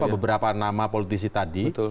beberapa nama politisi tadi